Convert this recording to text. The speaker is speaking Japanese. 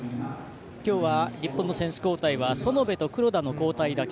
今日は日本の選手交代は園部と黒田の交代だけ。